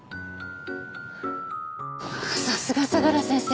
さすが相良先生